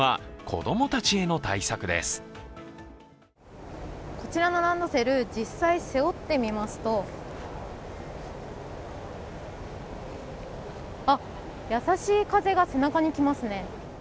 こちらのランドセル、実際背負ってみますとあっ、優しい風が背中に来ますね。